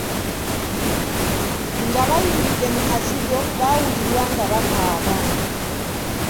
Nga bayingidde mu kazigo, baawulirwa nga bakaaba.